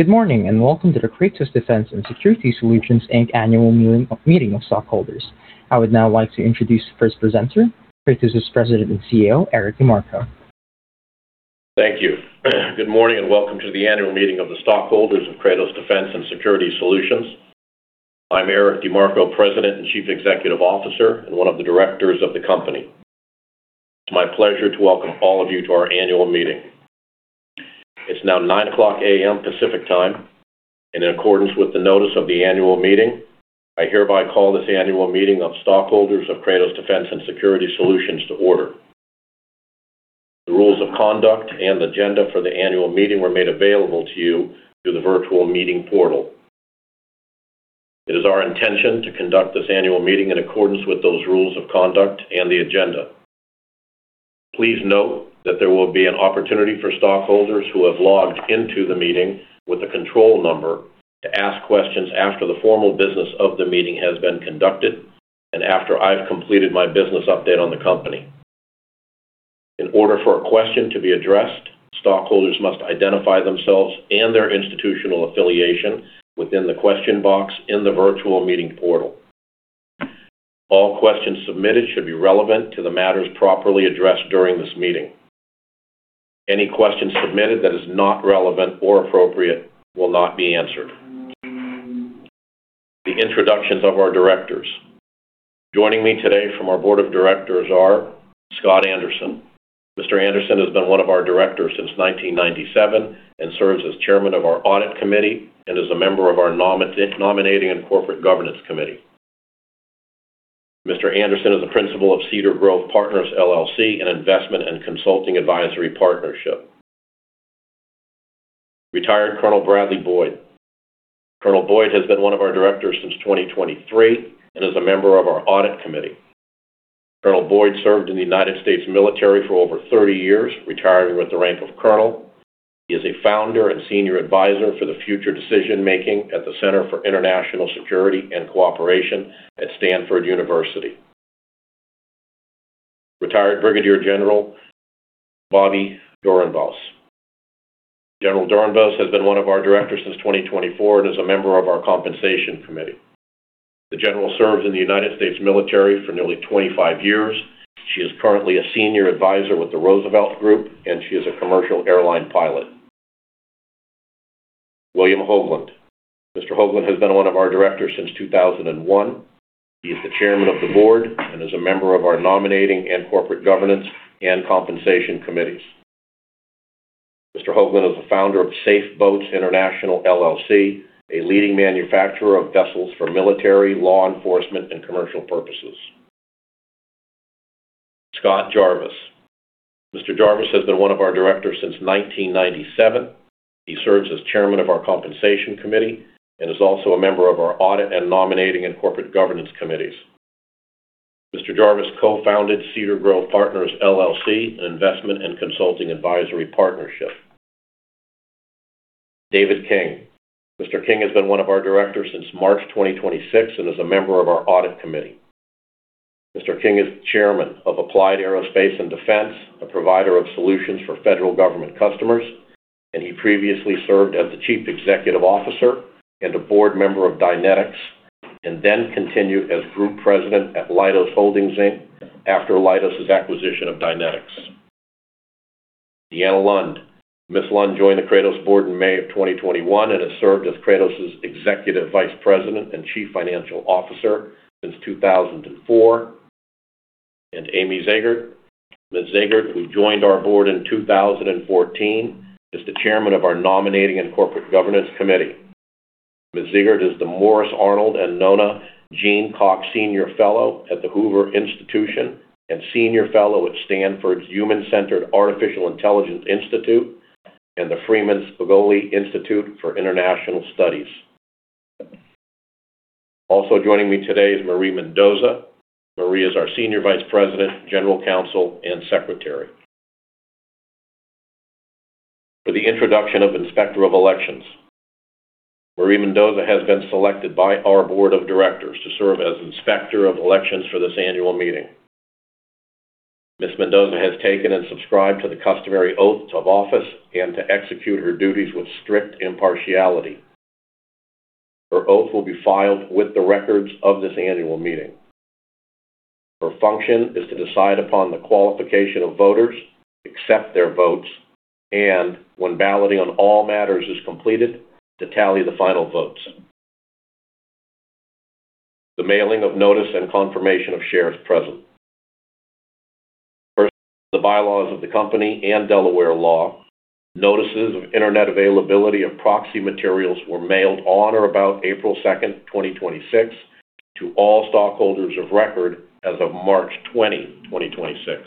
Good morning. Welcome to the Kratos Defense & Security Solutions Inc Annual Meeting of Stockholders. I would now like to introduce the first presenter, Kratos's President and CEO, Eric DeMarco. Thank you. Good morning, welcome to the annual meeting of the stockholders of Kratos Defense & Security Solutions. I'm Eric DeMarco, President and Chief Executive Officer and one of the directors of the company. It's my pleasure to welcome all of you to our annual meeting. It's now 9:00 A.M. Pacific Time. In accordance with the notice of the annual meeting, I hereby call this annual meeting of stockholders of Kratos Defense & Security Solutions to order. The rules of conduct and agenda for the annual meeting were made available to you through the virtual meeting portal. It is our intention to conduct this annual meeting in accordance with those rules of conduct and the agenda. Please note that there will be an opportunity for stockholders who have logged into the meeting with a control number to ask questions after the formal business of the meeting has been conducted and after I've completed my business update on the company. In order for a question to be addressed, stockholders must identify themselves and their institutional affiliation within the question box in the virtual meeting portal. All questions submitted should be relevant to the matters properly addressed during this meeting. Any question submitted that is not relevant or appropriate will not be answered. The introductions of our directors. Joining me today from our board of directors are Scott Anderson. Mr. Anderson has been one of our directors since 1997 and serves as Chairman of our Audit Committee and is a member of our Nominating and Corporate Governance Committee. Mr. Anderson is the principal of Cedar Growth Partners LLC, an investment and consulting advisory partnership. Retired Colonel Bradley Boyd. Colonel Boyd has been one of our directors since 2023 and is a member of our audit committee. Colonel Boyd served in the United States military for over 30 years, retiring with the rank of colonel. He is a founder and senior advisor for the future decision-making at the Center for International Security and Cooperation at Stanford University. Retired Brigadier General Bobbi Doorenbos. General Doorenbos has been one of our directors since 2024 and is a member of our compensation committee. The general served in the United States military for nearly 25 years. She is currently a senior advisor with The Roosevelt Group, and she is a commercial airline pilot. William Hoglund. Mr. Hoglund has been one of our directors since 2001. He is the Chairman of the Board and is a member of our Nominating and Corporate Governance and Compensation Committees. Mr. Hoglund is the founder of SAFE Boats International LLC, a leading manufacturer of vessels for military, law enforcement, and commercial purposes. Scot Jarvis. Mr. Jarvis has been one of our directors since 1997. He serves as Chairman of our Compensation Committee and is also a member of our Audit and Nominating and Corporate Governance Committees. Mr. Jarvis co-founded Cedar Growth Partners LLC, an investment and consulting advisory partnership. David King. Mr. King has been one of our directors since March 2026 and is a member of our Audit Committee. Mr. King is chairman of Applied Aerospace & Defense, a provider of solutions for federal government customers, and he previously served as the chief executive officer and a board member of Dynetics and then continued as group president at Leidos Holdings Inc after Leidos' acquisition of Dynetics. Dean Lund. Ms. Lund joined the Kratos board in May of 2021 and has served as Kratos' Executive Vice President and Chief Financial Officer since 2004. Amy Zegart. Ms. Zegart, who joined our board in 2014, is the chairman of our nominating and corporate governance committee. Ms. Zegart is the Morris Arnold and Nona Jean Cox Senior Fellow at the Hoover Institution and senior fellow at Stanford for Human-Centered Artificial Intelligence Institute and the Freeman Spogli Institute for International Studies. Also joining me today is Marie Mendoza. Marie is our Senior Vice President, General Counsel, and Secretary. For the introduction of Inspector of Elections. Marie Mendoza has been selected by our board of directors to serve as Inspector of Elections for this annual meeting. Ms. Mendoza has taken and subscribed to the customary oath of office and to execute her duties with strict impartiality. Her oath will be filed with the records of this annual meeting. Her function is to decide upon the qualification of voters, accept their votes, and when balloting on all matters is completed, to tally the final votes. The mailing of notice and confirmation of shares present. Per the bylaws of the company and Delaware law, notices of internet availability of proxy materials were mailed on or about April 2nd, 2026, to all stockholders of record as of March 20, 2026.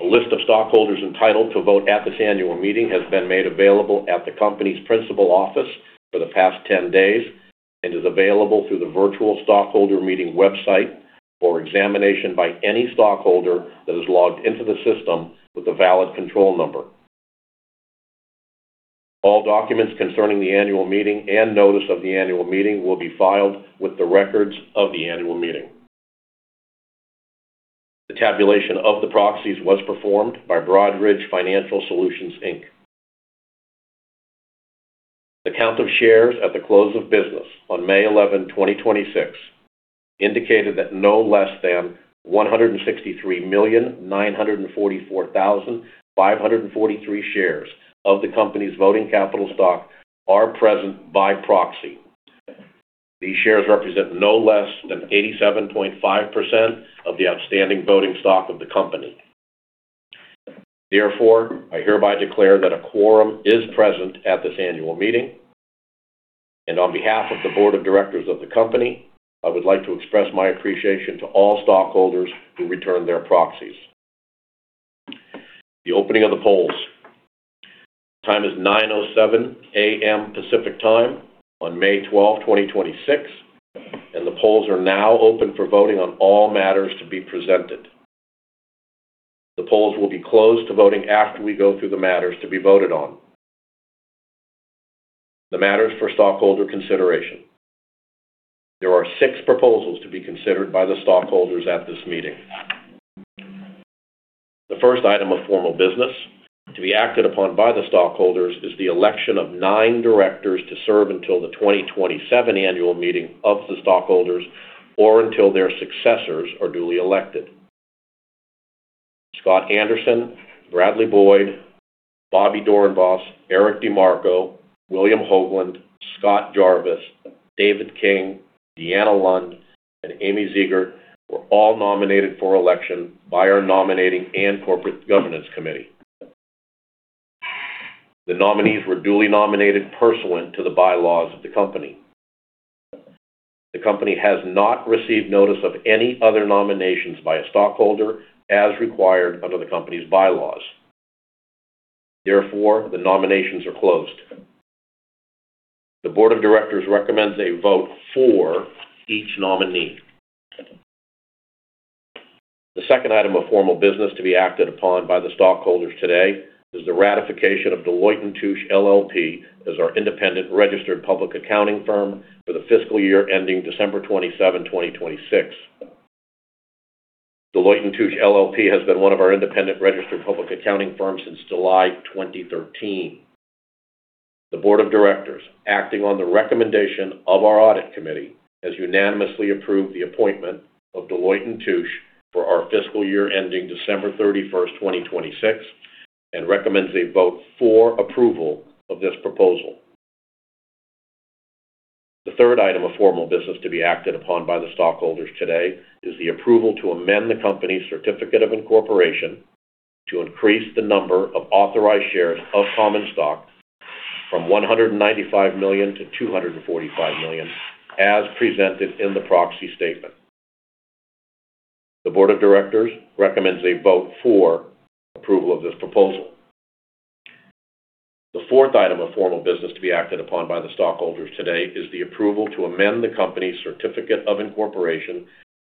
A list of stockholders entitled to vote at this annual meeting has been made available at the company's principal office for the past 10 days and is available through the virtual stockholder meeting website for examination by any stockholder that is logged into the system with a valid control number. All documents concerning the annual meeting and notice of the annual meeting will be filed with the records of the annual meeting. The tabulation of the proxies was performed by Broadridge Financial Solutions Inc. The count of shares at the close of business on May 11, 2026 indicated that no less than 163,944,543 shares of the company's voting capital stock are present by proxy. These shares represent no less than 87.5% of the outstanding voting stock of the company. Therefore, I hereby declare that a quorum is present at this annual meeting. On behalf of the Board of Directors of the company, I would like to express my appreciation to all stockholders who returned their proxies. The opening of the polls. Time is 9:07 A.M. Pacific Time on May 12, 2026, and the polls are now open for voting on all matters to be presented. The polls will be closed to voting after we go through the matters to be voted on. The matters for stockholder consideration. There are 6 proposals to be considered by the stockholders at this meeting. The first item of formal business to be acted upon by the stockholders is the election of 9 directors to serve until the 2027 annual meeting of the stockholders or until their successors are duly elected. Scott Anderson, Bradley Boyd, Bobbi Doorenbos, Eric DeMarco, William Hoglund, Scot Jarvis, David King, Deanna Lund, and Amy Zegart were all nominated for election by our Nominating and Corporate Governance Committee. The nominees were duly nominated pursuant to the bylaws of the company. The company has not received notice of any other nominations by a stockholder as required under the company's bylaws. Therefore, the nominations are closed. The board of directors recommends a vote for each nominee. The second item of formal business to be acted upon by the stockholders today is the ratification of Deloitte & Touche LLP as our independent registered public accounting firm for the fiscal year ending December 27, 2026. Deloitte & Touche LLP has been one of our independent registered public accounting firms since July 2013. The board of directors, acting on the recommendation of our audit committee, has unanimously approved the appointment of Deloitte & Touche for our fiscal year ending December 31st, 2026, and recommends a vote for approval of this proposal. The third item of formal business to be acted upon by the stockholders today is the approval to amend the company's certificate of incorporation to increase the number of authorized shares of common stock from 195 million to 245 million as presented in the proxy statement. The board of directors recommends a vote for approval of this proposal. The fourth item of formal business to be acted upon by the stockholders today is the approval to amend the company's certificate of incorporation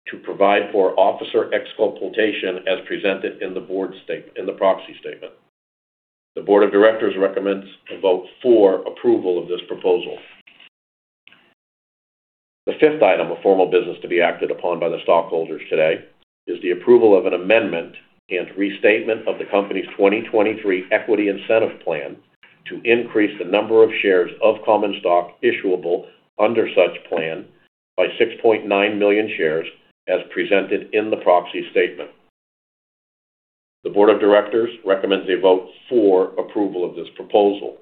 to provide for officer exculpation as presented in the proxy statement. The board of directors recommends a vote for approval of this proposal. The fifth item of formal business to be acted upon by the stockholders today is the approval of an amendment and restatement of the company's 2023 equity incentive plan to increase the number of shares of common stock issuable under such plan by 6.9 million shares as presented in the proxy statement. The board of directors recommends a vote for approval of this proposal.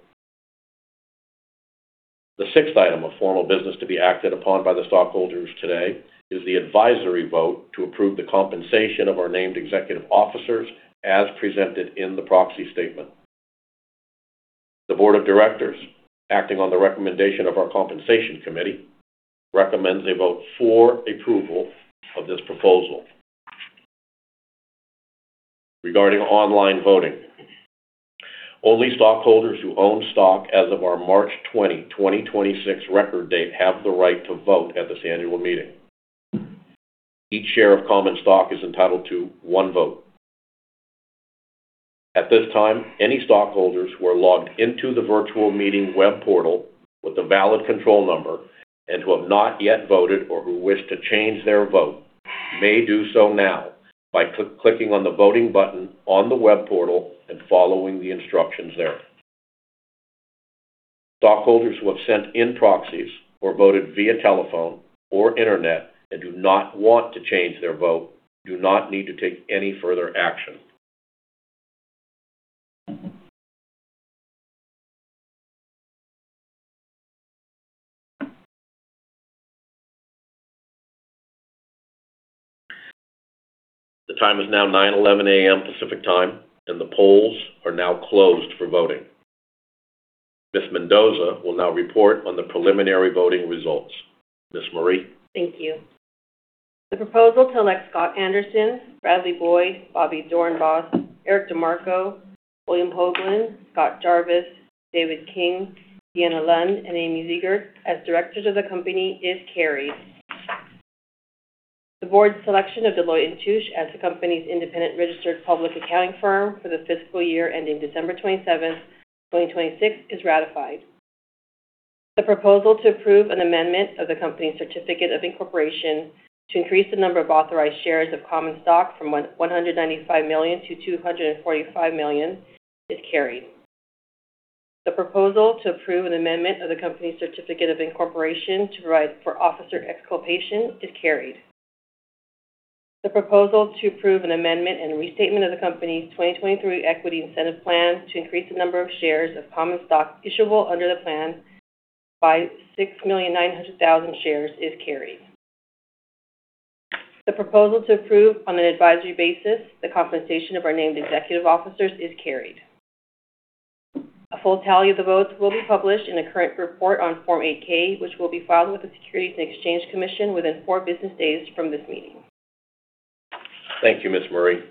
The sixth item of formal business to be acted upon by the stockholders today is the advisory vote to approve the compensation of our named executive officers as presented in the proxy statement. The board of directors, acting on the recommendation of our compensation committee, recommends a vote for approval of this proposal. Regarding online voting. Only stockholders who own stock as of our March 20, 2026 record date have the right to vote at this annual meeting. Each share of common stock is entitled to one vote. At this time, any stockholders who are logged into the virtual meeting web portal with a valid control number and who have not yet voted or who wish to change their vote may do so now by clicking on the voting button on the web portal and following the instructions there. Stockholders who have sent in proxies or voted via telephone or internet and do not want to change their vote do not need to take any further action. The time is now 9:11 A.M. Pacific Time, and the polls are now closed for voting. Ms. Mendoza will now report on the preliminary voting results. Ms. Marie? Thank you. The proposal to elect Scott Anderson, Bradley Boyd, Bobbi Doorenbos, Eric DeMarco, William Hoglund, Scot Jarvis, David King, Deanna Lund, and Amy Zegart as directors of the company is carried. The board's selection of Deloitte & Touche as the company's independent registered public accounting firm for the fiscal year ending December 27th, 2026 is ratified. The proposal to approve an amendment of the company's certificate of incorporation to increase the number of authorized shares of common stock from 195 million to 245 million is carried. The proposal to approve an amendment of the company's certificate of incorporation to provide for officer exculpation is carried. The proposal to approve an amendment and restatement of the company's 2023 equity incentive plan to increase the number of shares of common stock issuable under the plan by 6,900,000 shares is carried. The proposal to approve on an advisory basis the compensation of our named executive officers is carried. A full tally of the votes will be published in a current report on Form 8-K, which will be filed with the Securities and Exchange Commission within four business days from this meeting. Thank you, Ms. Marie.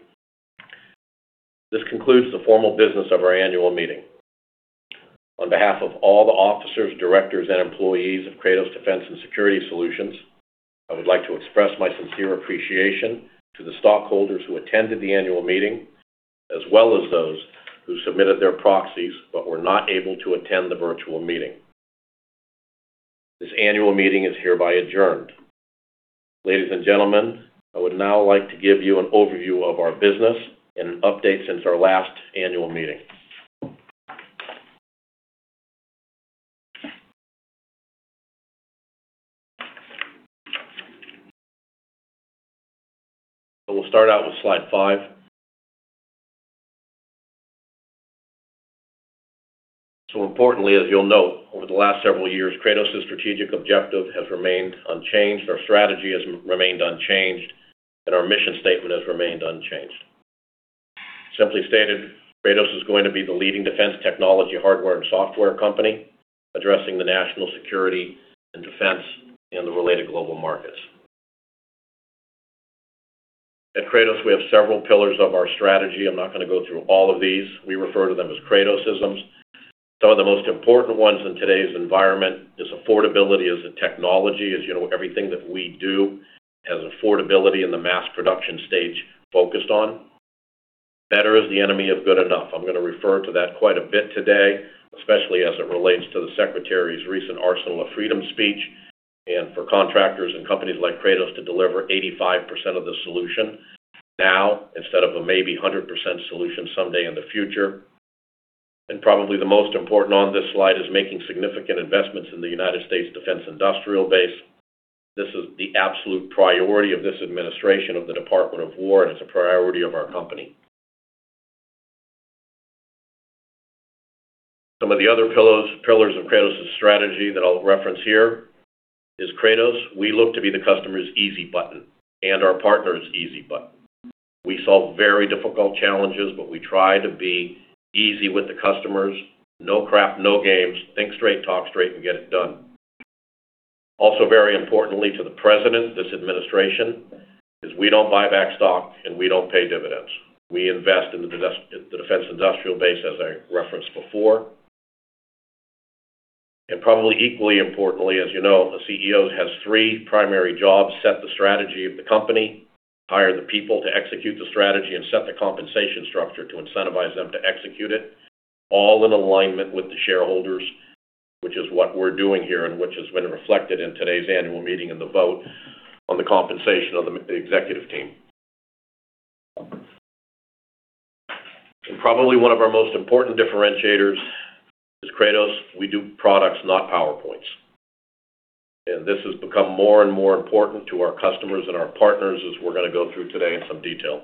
This concludes the formal business of our annual meeting. On behalf of all the officers, directors, and employees of Kratos Defense & Security Solutions, I would like to express my sincere appreciation to the stockholders who attended the annual meeting, as well as those who submitted their proxies but were not able to attend the virtual meeting. This annual meeting is hereby adjourned. Ladies and gentlemen, I would now like to give you an overview of our business and an update since our last annual meeting. We'll start out with slide five. Importantly, as you'll note, over the last several years, Kratos' strategic objective has remained unchanged, our strategy has remained unchanged, and our mission statement has remained unchanged. Simply stated, Kratos is going to be the leading defense technology hardware and software company addressing the national security and defense in the related global markets. At Kratos, we have several pillars of our strategy. I'm not going to go through all of these. We refer to them as Kratosisms. Some of the most important ones in today's environment is affordability as a technology. As you know, everything that we do has affordability in the mass production stage focused on. Better is the enemy of good enough. I'm going to refer to that quite a bit today, especially as it relates to the Secretary's recent Arsenal of Freedom speech and for contractors and companies like Kratos to deliver 85% of the solution now instead of a maybe 100% solution someday in the future. Probably the most important on this slide is making significant investments in the United States' defense industrial base. This is the absolute priority of this administration of the Department of War, and it's a priority of our company. Some of the other pillars of Kratos' strategy that I'll reference here is we look to be the customer's easy button and our partner's easy button. We solve very difficult challenges, but we try to be easy with the customers. No crap, no games. Think straight, talk straight, and get it done. Also very importantly to the President, this administration, is we don't buy back stock and we don't pay dividends. We invest in the defense industrial base, as I referenced before. Probably equally importantly, as you know, a CEO has three primary jobs, set the strategy of the company, hire the people to execute the strategy, and set the compensation structure to incentivize them to execute it, all in alignment with the shareholders, which is what we're doing here and which has been reflected in today's annual meeting and the vote on the compensation of the executive team. Probably one of our most important differentiators is Kratos, we do products, not PowerPoints. This has become more and more important to our customers and our partners as we're going to go through today in some detail.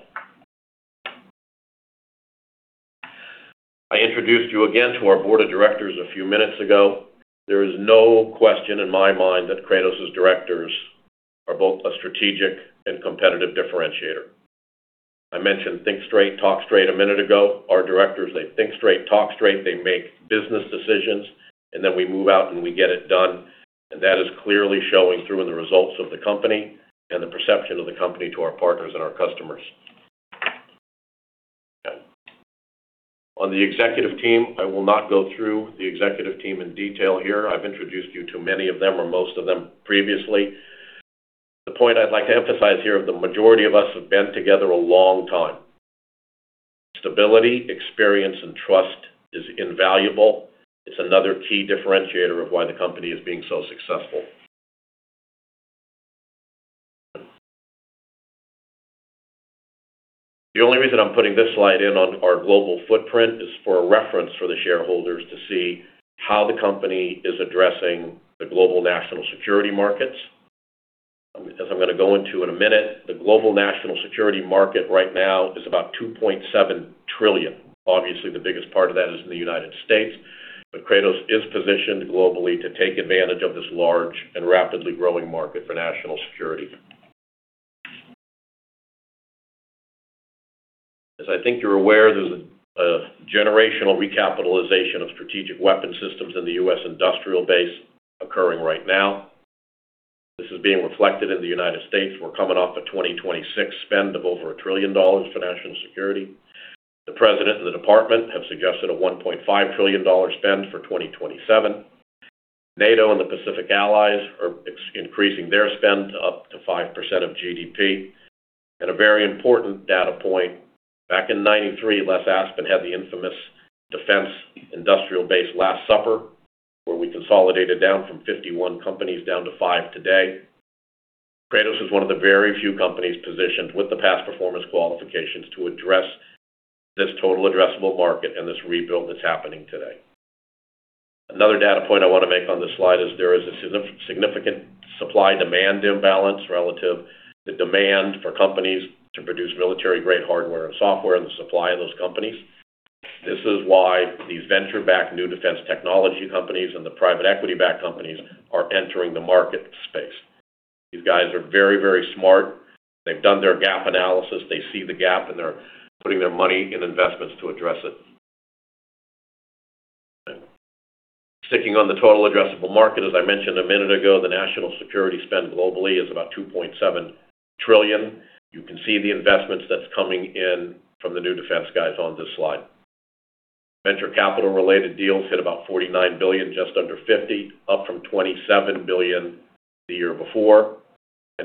I introduced you again to our board of directors a few minutes ago. There is no question in my mind that Kratos' directors are both a strategic and competitive differentiator. I mentioned think straight, talk straight a minute ago. Our directors, they think straight, talk straight, they make business decisions, and then we move out and we get it done. That is clearly showing through in the results of the company and the perception of the company to our partners and our customers. On the executive team, I will not go through the executive team in detail here. I've introduced you to many of them or most of them previously. The point I'd like to emphasize here. The majority of us have been together a long time. Stability, experience, and trust is invaluable. It's another key differentiator of why the company is being so successful. The only reason I'm putting this slide in on our global footprint is for a reference for the shareholders to see how the company is addressing the global national security markets. As I'm going to go into in a minute, the global national security market right now is about $2.7 trillion. Obviously, the biggest part of that is in the United States, but Kratos is positioned globally to take advantage of this large and rapidly growing market for national security. As I think you're aware, there's a generational recapitalization of strategic weapon systems in the U.S. industrial base occurring right now. This is being reflected in the United States. We're coming off a 2026 spend of over $1 trillion for national security. The President and the Department have suggested a $1.5 trillion spend for 2027. NATO and the Pacific allies are increasing their spend up to 5% of GDP. A very important data point, back in 1993, Les Aspin had the infamous defense industrial base last supper, where we consolidated down from 51 companies down to five today. Kratos is one of the very few companies positioned with the past performance qualifications to address this total addressable market and this rebuild that's happening today. Another data point I want to make on this slide is there is a significant supply-demand imbalance relative to demand for companies to produce military-grade hardware and software and the supply of those companies. This is why these venture-backed new defense technology companies and the private equity-backed companies are entering the market space. These guys are very, very smart. They've done their gap analysis. They see the gap, and they're putting their money in investments to address it. Sticking on the total addressable market, as I mentioned a minute ago, the national security spend globally is about $2.7 trillion. You can see the investments that's coming in from the new defense guys on this slide. Venture capital-related deals hit about $49 billion, just under 50, up from $27 billion the year before.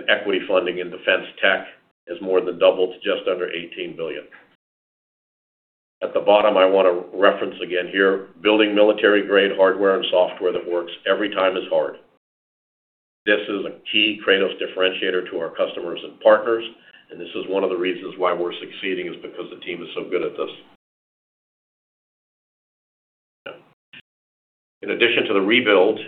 Equity funding in defense tech has more than doubled to just under $18 billion. At the bottom, I want to reference again here, building military-grade hardware and software that works every time is hard. This is a key Kratos differentiator to our customers and partners, and this is one of the reasons why we're succeeding is because the team is so good at this. In addition to the rebuild,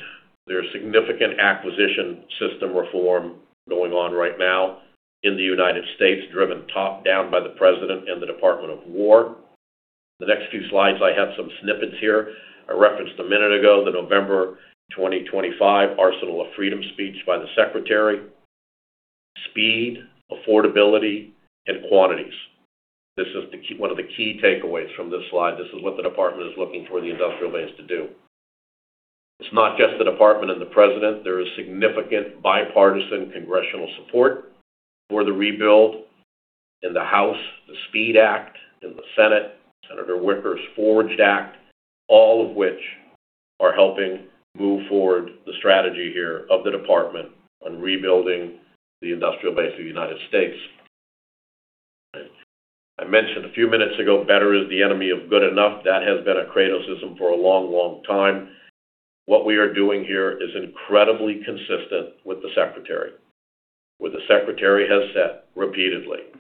there's significant acquisition system reform going on right now in the U.S., driven top down by the President and the Department of War. The next few slides, I have some snippets here. I referenced a minute ago the November 2025 Arsenal of Freedom speech by the Secretary. Speed, affordability, and quantities. This is one of the key takeaways from this slide. This is what the Department is looking for the industrial base to do. It's not just the Department and the President. There is significant bipartisan congressional support for the rebuild in the House, the SPEED Act in the Senate, Senator Wicker's FORGED Act, all of which are helping move forward the strategy here of the Department on rebuilding the industrial base of the U.S. I mentioned a few minutes ago, better is the enemy of good enough. That has been a Kratosisim for a long, long time. What we are doing here is incredibly consistent with the Secretary, what the Secretary has said repeatedly.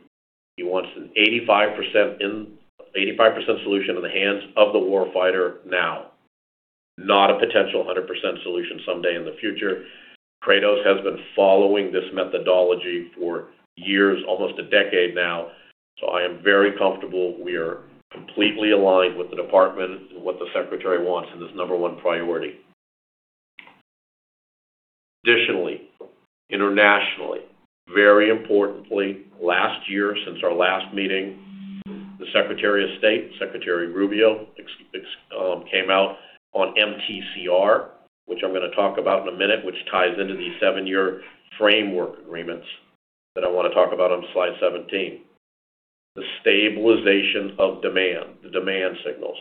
He wants an 85% in, 85% solution in the hands of the warfighter now, not a potential 100% solution someday in the future. Kratos has been following this methodology for years, almost a decade now. I am very comfortable we are completely aligned with the Department and what the Secretary wants in this number one priority. Additionally, internationally, very importantly, last year since our last meeting, the Secretary of State, Secretary Rubio, came out on MTCR, which I'm going to talk about in a minute, which ties into these seven-year framework agreements that I want to talk about on slide 17. The stabilization of demand, the demand signals.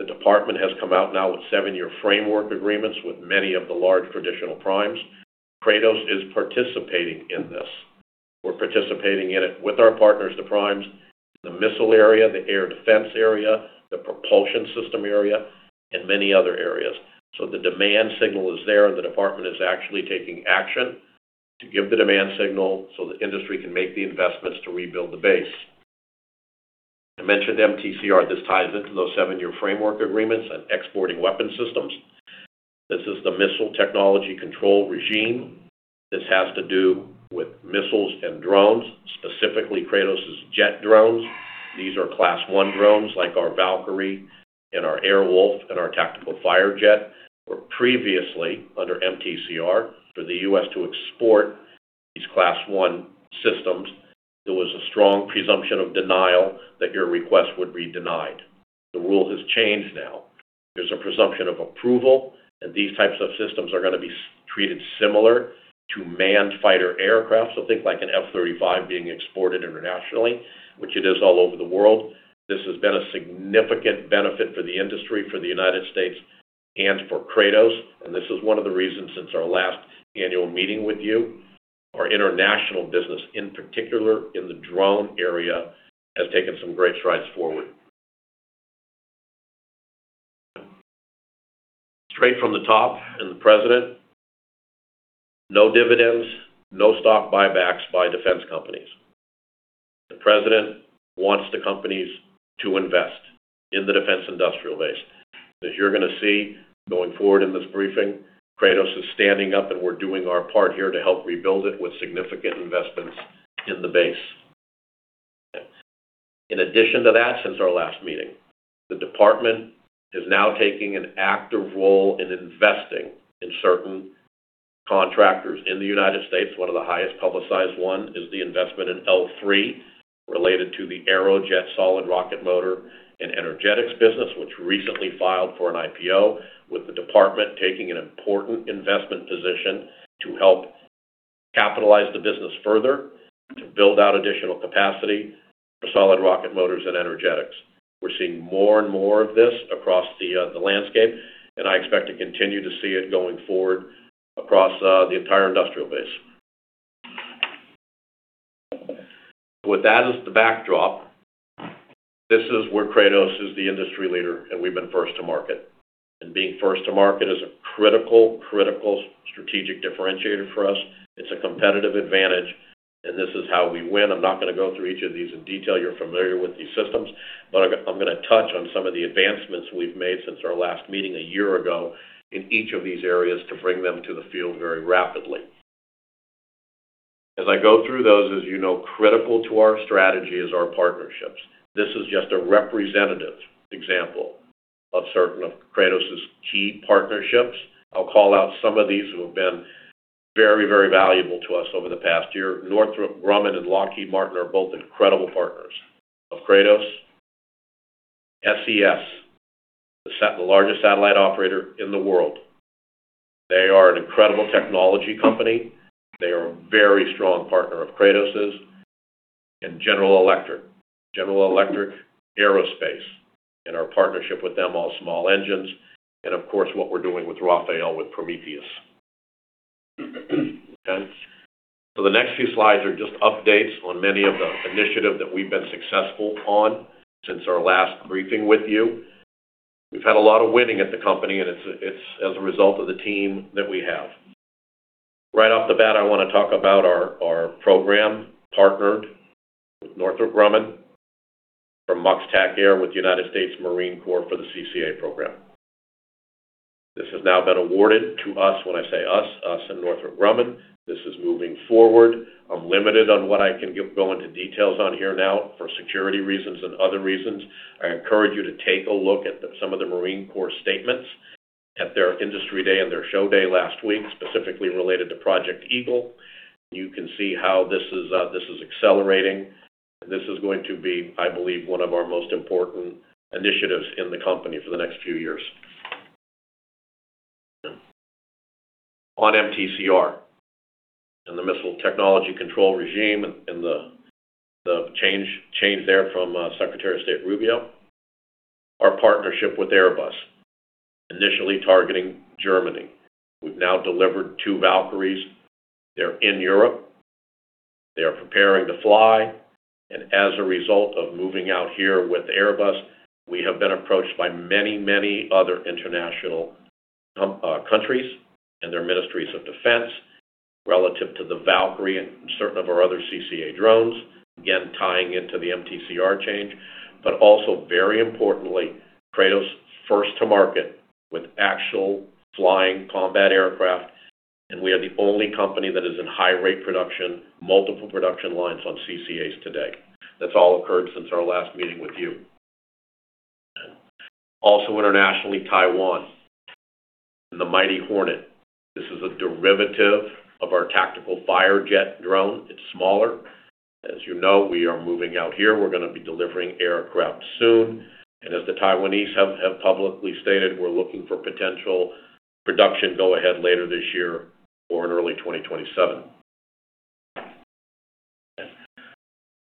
The Department has come out now with seven-year framework agreements with many of the large traditional primes. Kratos is participating in this. We're participating in it with our partners, the primes, the missile area, the air defense area, the propulsion system area, and many other areas. The demand signal is there, and the Department is actually taking action to give the demand signal so the industry can make the investments to rebuild the base. I mentioned MTCR. This ties into those seven-year framework agreements on exporting weapon systems. This is the Missile Technology Control Regime. This has to do with missiles and drones, specifically Kratos' jet drones. These are Class 1 drones like our Valkyrie and our Air Wolf and our MQM-178 Firejet were previously under MTCR. For the U.S. to export these Class 1 systems, there was a strong presumption of denial that your request would be denied. The rule has changed now. There's a presumption of approval. These types of systems are going to be treated similar to manned fighter aircraft. Think like an F-35 being exported internationally, which it is all over the world. This has been a significant benefit for the industry, for the U.S., and for Kratos. This is one of the reasons since our last annual meeting with you, our international business, in particular in the drone area, has taken some great strides forward. Straight from the top and the President, no dividends, no stock buybacks by defense companies. The President wants the companies to invest in the defense industrial base. As you're going to see going forward in this briefing, Kratos is standing up, and we're doing our part here to help rebuild it with significant investments in the base. In addition to that, since our last meeting, the Department is now taking an active role in investing in certain contractors in the U.S. One of the highest publicized one is the investment in L3 related to the Aerojet Rocketdyne solid rocket motor and energetics business, which recently filed for an IPO with the Department taking an important investment position to help capitalize the business further to build out additional capacity for solid rocket motors and energetics. We're seeing more and more of this across the landscape. I expect to continue to see it going forward across the entire industrial base. With that as the backdrop, this is where Kratos is the industry leader. We've been first to market. Being first to market is a critical strategic differentiator for us. It's a competitive advantage. This is how we win. I'm not gonna go through each of these in detail. You're familiar with these systems. I'm gonna touch on some of the advancements we've made since our last meeting a year ago in each of these areas to bring them to the field very rapidly. As I go through those, as you know, critical to our strategy is our partnerships. This is just a representative example of certain of Kratos' key partnerships. I'll call out some of these who have been very, very valuable to us over the past year. Northrop Grumman and Lockheed Martin are both incredible partners of Kratos. SES, the largest satellite operator in the world. They are an incredible technology company. They are a very strong partner of Kratos'. General Electric. General Electric Aerospace, and our partnership with them, all small engines. Of course, what we're doing with RAFAEL with Prometheus. The next few slides are just updates on many of the initiatives that we've been successful on since our last briefing with you. We've had a lot of winning at the company, and it's as a result of the team that we have. Right off the bat, I wanna talk about our program, partnered with Northrop Grumman for MUX TACAIR with the United States Marine Corps for the CCA program. This has now been awarded to us. When I say us and Northrop Grumman. This is moving forward. I'm limited on what I can go into details on here now for security reasons and other reasons. I encourage you to take a look at some of the Marine Corps statements at their industry day and their show day last week, specifically related to Project Eagle. You can see how this is accelerating. This is going to be, I believe, one of our most important initiatives in the company for the next few years. On MTCR and the Missile Technology Control Regime and the change there from Secretary of State Rubio, our partnership with Airbus, initially targeting Germany. We've now delivered two Valkyries. They're in Europe. They are preparing to fly. As a result of moving out here with Airbus, we have been approached by many other international countries and their ministries of defense relative to the Valkyrie and certain of our other CCA drones, again, tying into the MTCR change. Also very importantly, Kratos first to market with actual flying combat aircraft, and we are the only company that is in high rate production, multiple production lines on CCAs today. That's all occurred since our last meeting with you. Internationally, Taiwan and the Mighty Hornet. This is a derivative of our tactical Firejet drone. It's smaller. As you know, we are moving out here. We're gonna be delivering aircraft soon. As the Taiwanese have publicly stated, we're looking for potential production go-ahead later this year or in early 2027.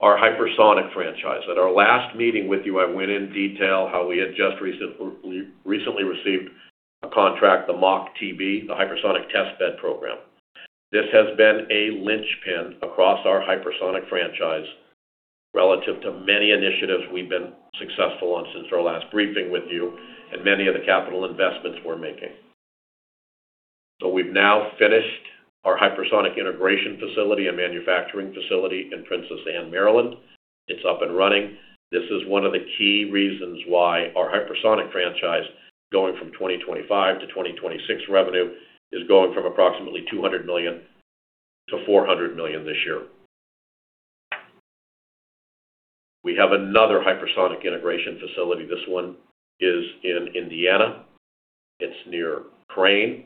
Our hypersonic franchise. At our last meeting with you, I went in detail how we had just recently received a contract, the MACH-TB, the hypersonic test bed program. This has been a linchpin across our hypersonic franchise relative to many initiatives we've been successful on since our last briefing with you and many of the capital investments we're making. We've now finished our hypersonic integration facility and manufacturing facility in Princess Anne, Maryland. It's up and running. This is one of the key reasons why our hypersonic franchise going from 2025 to 2026 revenue is going from approximately $200 million to $400 million this year. We have another hypersonic integration facility. This one is in Indiana. It's near Crane.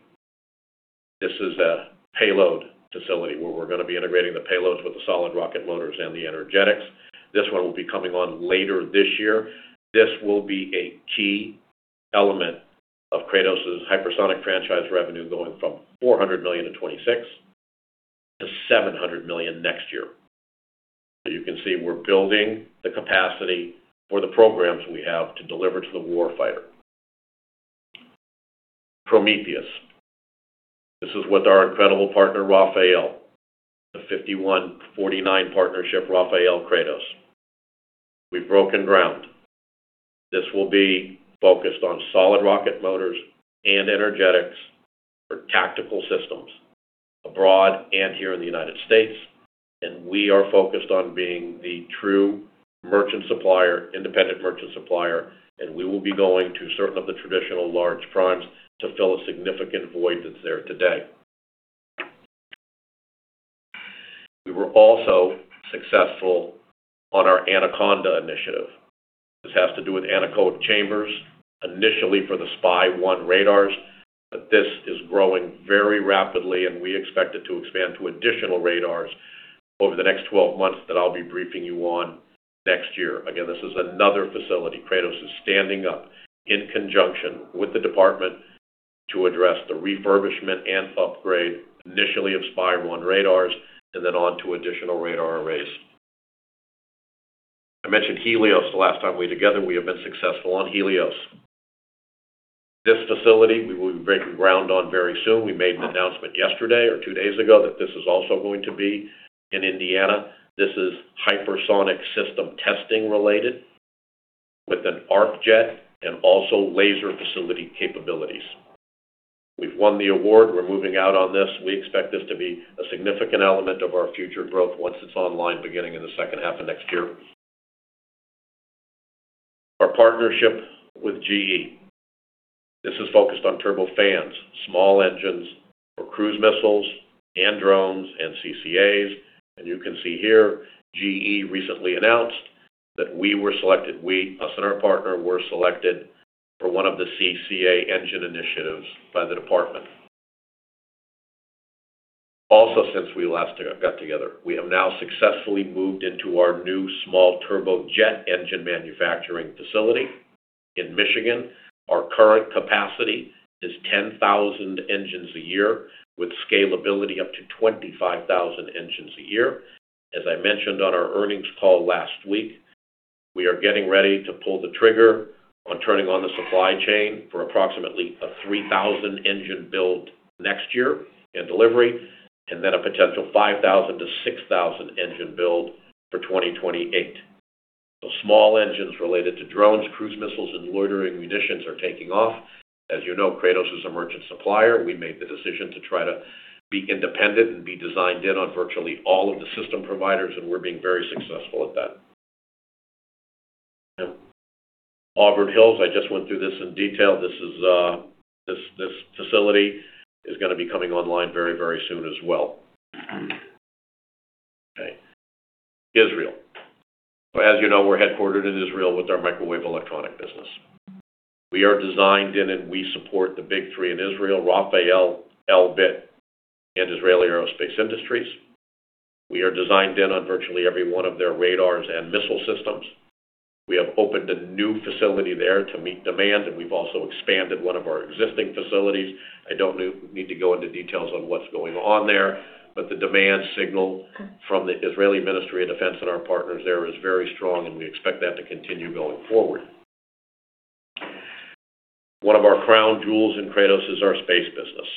This is a payload facility where we're gonna be integrating the payloads with the solid rocket motors and the energetics. This one will be coming on later this year. This will be a key element of Kratos' hypersonic franchise revenue going from $400 million in 2026 to $700 million next year. You can see we're building the capacity for the programs we have to deliver to the war fighter. Prometheus. This is with our incredible partner, RAFAEL, the 51-49 partnership, RAFAEL Kratos. We've broken ground. This will be focused on solid rocket motors and energetics for tactical systems abroad and here in the United States. We are focused on being the true merchant supplier, independent merchant supplier, and we will be going to certain of the traditional large primes to fill a significant void that's there today. We were also successful on our Anaconda initiative. This has to do with anechoic chambers, initially for the SPY-1 radars, but this is growing very rapidly, and we expect it to expand to additional radars over the next 12 months that I'll be briefing you on next year. This is another facility. Kratos is standing up in conjunction with the Department to address the refurbishment and upgrade initially of SPY-1 radars and then on to additional radar arrays. I mentioned Helios the last time we were together. We have been successful on Helios. This facility we will be breaking ground on very soon. We made an announcement yesterday or two days ago that this is also going to be in Indiana. This is hypersonic system testing related with an arc jet and also laser facility capabilities. We've won the award. We're moving out on this. We expect this to be a significant element of our future growth once it's online, beginning in the second half of next year. Our partnership with GE. This is focused on turbofans, small engines for cruise missiles and drones and CCAs. You can see here, GE recently announced that we were selected. We, us and our partner, were selected for one of the CCA engine initiatives by the department. Since we last got together, we have now successfully moved into our new small turbojet engine manufacturing facility in Michigan. Our current capacity is 10,000 engines a year with scalability up to 25,000 engines a year. As I mentioned on our earnings call last week, we are getting ready to pull the trigger on turning on the supply chain for approximately a 3,000 engine build next year in delivery, and then a potential 5,000-6,000 engine build for 2028. Small engines related to drones, cruise missiles, and loitering munitions are taking off. As you know, Kratos is a merchant supplier. We made the decision to try to be independent and be designed in on virtually all of the system providers, and we're being very successful at that. Auburn Hills, I just went through this in detail. This facility is going to be coming online very, very soon as well. Okay. Israel. As you know, we're headquartered in Israel with our microwave electronic business. We are designed in and we support the big three in Israel, RAFAEL, Elbit, and Israel Aerospace Industries. We are designed in on virtually every one of their radars and missile systems. We have opened a new facility there to meet demand, and we've also expanded one of our existing facilities. I don't need to go into details on what's going on there, but the demand signal from the Israel Ministry of Defense and our partners there is very strong, and we expect that to continue going forward. One of our crown jewels in Kratos is our space business.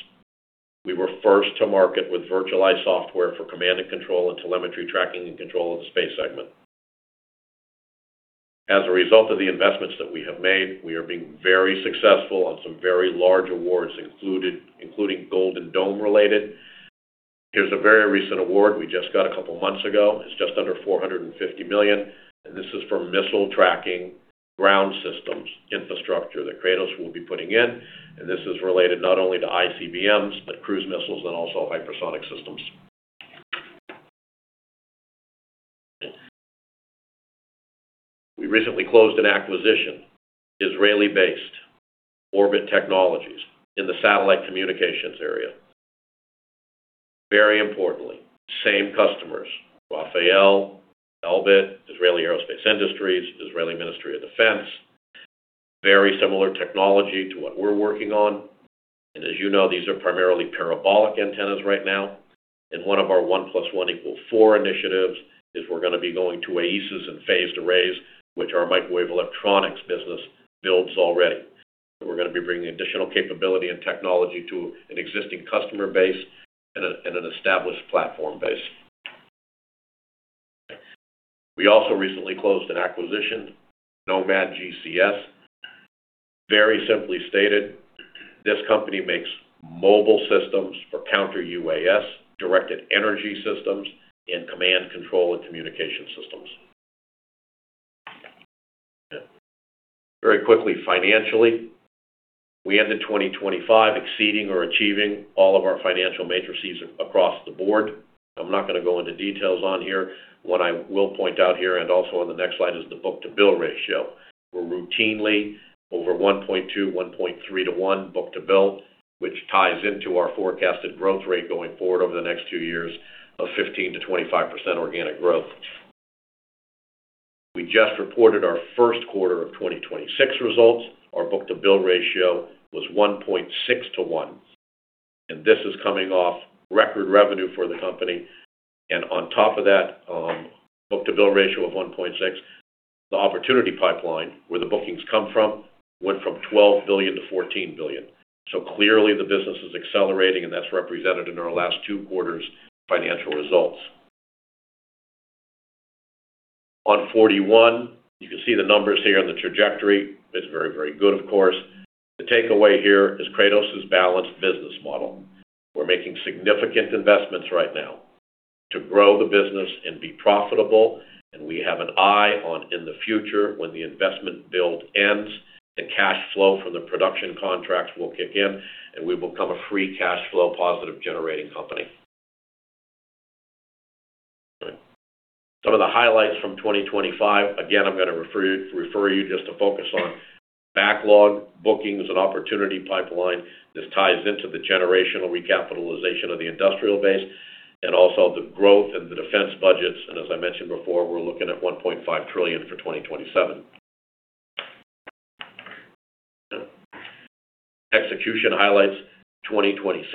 We were first to market with virtualized software for command and control, and telemetry tracking, and control of the space segment. As a result of the investments that we have made, we are being very successful on some very large awards, including Golden Dome related. Here's a very recent award we just got a couple months ago. It's just under $450 million. This is for missile tracking ground systems infrastructure that Kratos will be putting in. This is related not only to ICBMs, but cruise missiles and also hypersonic systems. We recently closed an acquisition, Israeli-based Orbit Technologies in the satellite communications area. Importantly, same customers, RAFAEL, Elbit, Israel Aerospace Industries, Israel Ministry of Defense. Similar technology to what we're working on. As you know, these are primarily parabolic antennas right now. One of our one plus one equal four initiatives is we're going to be going to AESAs and phased arrays, which our microwave electronics business builds already. We're going to be bringing additional capability and technology to an existing customer base and an established platform base. We also recently closed an acquisition, Nomad GCS. Simply stated, this company makes mobile systems for counter-UAS, directed energy systems, and command, control, and communication systems. Quickly, financially, we ended 2025 exceeding or achieving all of our financial matrices across the board. I'm not going to go into details on here. What I will point out here, and also on the next slide, is the book-to-bill ratio. We're routinely over 1.2, 1.3 to one book to bill, which ties into our forecasted growth rate going forward over the next two years of 15%-25% organic growth. We just reported our first quarter of 2026 results. Our book-to-bill ratio was 1.6 to one. This is coming off record revenue for the company. On top of that, book-to-bill ratio of 1.6, the opportunity pipeline, where the bookings come from, went from $12 billion to $14 billion. Clearly, the business is accelerating, and that's represented in our last two quarters' financial results. On 41, you can see the numbers here on the trajectory. It's very, very good, of course. The takeaway here is Kratos' balanced business model. We're making significant investments right now to grow the business and be profitable. We have an eye on in the future when the investment build ends, the cash flow from the production contracts will kick in, and we become a free cash flow positive generating company. Some of the highlights from 2025. Again, I'm going to refer you just to focus on backlog, bookings, and opportunity pipeline. This ties into the generational recapitalization of the industrial base. Also the growth in the defense budgets. As I mentioned before, we're looking at $1.5 trillion for 2027. Execution highlights, 2026.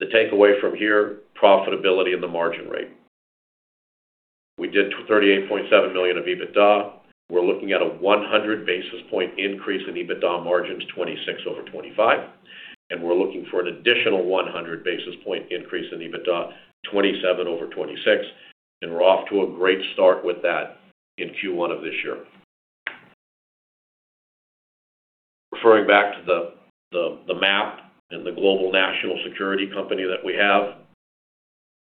The takeaway from here, profitability and the margin rate. We did $38.7 million of EBITDA. We're looking at a 100 basis point increase in EBITDA margins, 26 over 25. We're looking for an additional 100 basis point increase in EBITDA, 27 over 26, and we're off to a great start with that in Q1 of this year. Referring back to the map and the global national security company that we have,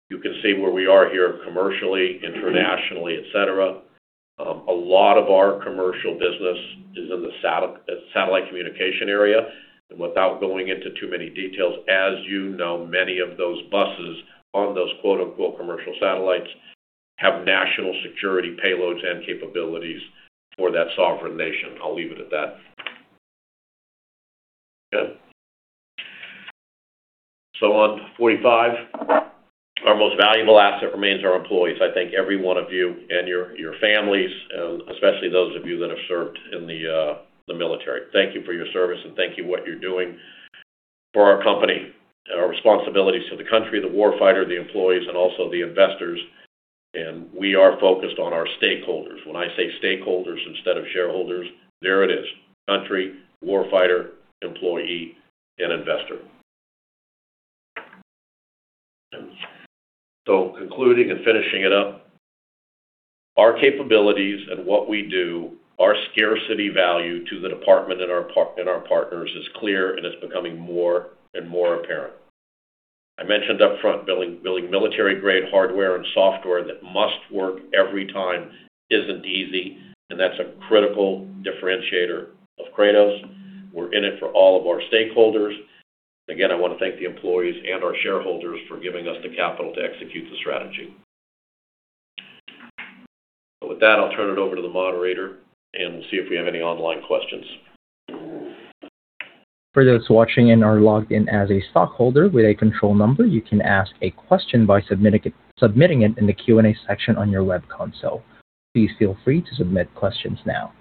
you can see where we are here commercially, internationally, et cetera. A lot of our commercial business is in the satellite communication area. Without going into too many details, as you know, many of those buses on those quote-unquote, "commercial satellites" have national security payloads and capabilities for that sovereign nation. I'll leave it at that. Good. On to 45. Our most valuable asset remains our employees. I thank every one of you and your families, especially those of you that have served in the military. Thank you for your service, and thank you what you're doing for our company and our responsibilities to the country, the war fighter, the employees, and also the investors. We are focused on our stakeholders. When I say stakeholders instead of shareholders, there it is. Country, war fighter, employee, and investor. Concluding and finishing it up, our capabilities and what we do, our scarcity value to the department and our partners is clear, and it's becoming more and more apparent. I mentioned up front building military-grade hardware and software that must work every time isn't easy, and that's a critical differentiator of Kratos. We're in it for all of our stakeholders. Again, I wanna thank the employees and our shareholders for giving us the capital to execute the strategy. With that, I'll turn it over to the moderator and see if we have any online questions. For those watching and are logged in as a stockholder with a control number, you can ask a question by submitting it in the Q&A section on your web console. Please feel free to submit questions now.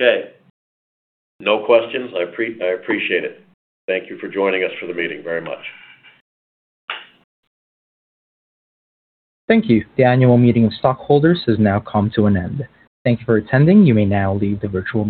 Okay. No questions. I appreciate it. Thank you for joining us for the meeting very much. Thank you. The annual meeting of stockholders has now come to an end. Thank you for attending. You may now leave the virtual meeting.